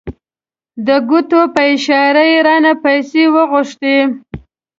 د ګوتو په اشاره یې رانه پیسې وغوښتې.